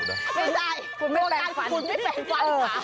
ไม่ได้คุณไม่เปลี่ยนฟันค่ะ